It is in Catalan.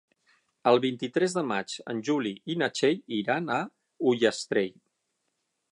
El vint-i-tres de maig en Juli i na Txell iran a Ullastrell.